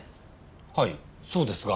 はいそうですが。